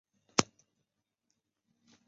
拓灰蝶属是灰蝶科眼灰蝶亚科中的一个属。